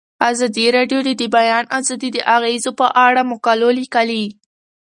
ازادي راډیو د د بیان آزادي د اغیزو په اړه مقالو لیکلي.